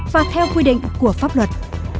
và theo quy định của pháp luật